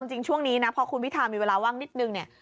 จริงช่วงนี้นะพอคุณพิธามีเวลาว่างนิดนึงเนี่ย